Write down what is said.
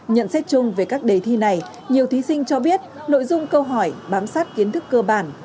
nhận xét chung về các đề thi này nhiều thí sinh cho biết nội dung câu hỏi bám sát kiến thức cơ bản